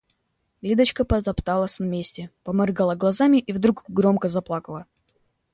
Лидочка потопталась на месте, поморгала глазами и вдруг громко заплакала.